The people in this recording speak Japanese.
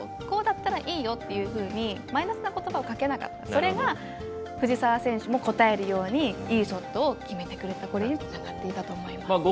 こうだったらいいよっていうふうにマイナスなことばをかけなかったそれが藤澤選手も応えるようにいいショットを決めてくれたこれにつながっていたと思います。